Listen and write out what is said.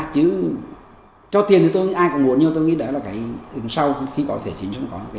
chứ cho tiền thì ai cũng muốn nhưng tôi nghĩ đó là cái đứng sau khi có thể chế chính sách